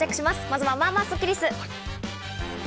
まずは、まあまあスッキりす。